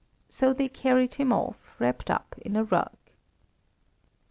So they carried him off wrapped up in a rug.